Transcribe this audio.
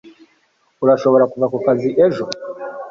Urashobora kuva ku kazi ejo?